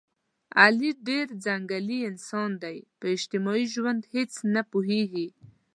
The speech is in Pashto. علي ډېر ځنګلي انسان دی، په اجتماعي ژوند هېڅ نه پوهېږي.